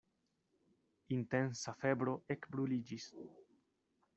Intensa febro ekbruliĝis.